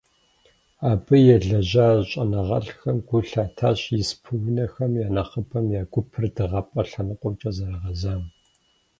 Абы елэжьа щIэныгъэлIхэм гу лъатащ испы унэхэм я нэхъыбэм я гупэр дыгъапIэ лъэныкъуэмкIэ зэрыгъэзам.